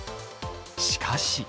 しかし。